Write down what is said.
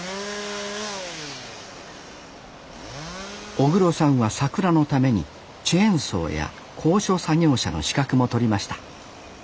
小黒さんは桜のためにチェーンソーや高所作業車の資格も取りました。